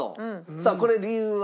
さあこれ理由は？